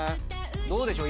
どうでしょう？